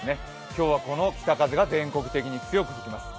今日はこの北風が全国的に強く吹きます。